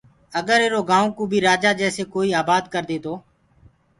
اگر ايٚرو گآئو ڪو بيٚ رآجآ جيسي ڪوئيٚ آبآد ڪردي تو